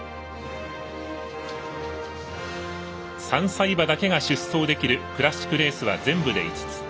３歳馬だけが出走できるクラシックレースは全部で５つ。